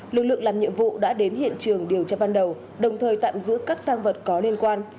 lực lượng làm nhiệm vụ đã đến hiện trường điều tra ban đầu đồng thời tạm giữ các tăng vật có liên quan